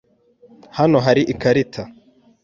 Hano hari ikarita.